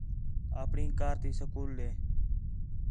آپݨی کار تی سکول ݙے